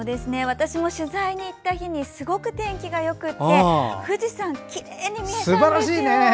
私も取材に行った日にすごく天気がよくて富士山、きれいに見えたんですよ。